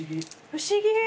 不思議。